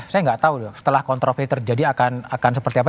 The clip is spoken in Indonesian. saya nggak tahu dong setelah kontroversi terjadi akan seperti apa